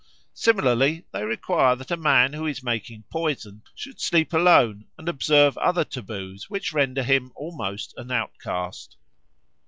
Similarly they require that a man who is making poison should sleep alone and observe other taboos which render him almost an outcast.